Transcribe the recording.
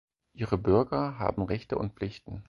Ihre Bürger haben Rechte und Pflichten.